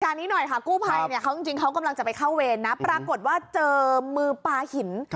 นี้หน่อยค่ะกู้ภัยเนี่ยเขาจริงเขากำลังจะไปเข้าเวรนะปรากฏว่าเจอมือปลาหิน